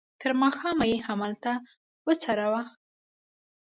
تر ماښامه یې همالته وڅروه.